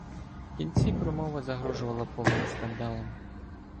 В кінці промова загрожувала повним скандалом.